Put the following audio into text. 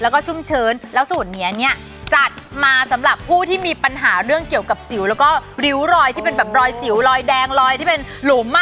แล้วก็ชุ่มเชิญแล้วสูตรเนี้ยจัดมาสำหรับผู้ที่มีปัญหาเรื่องเกี่ยวกับสิวแล้วก็ริ้วรอยที่เป็นแบบรอยสิวรอยแดงรอยที่เป็นหลุมอ่ะ